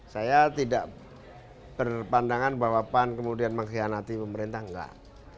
saya tidak berpandangan bahwa pan kemudian mengkhianati pemerintah enggak